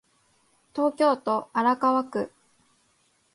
東京都荒川区